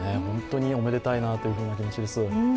本当におめでたいなという気持ちです。